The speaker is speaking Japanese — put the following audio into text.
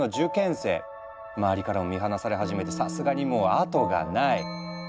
周りからも見放され始めてさすがにもう後がない。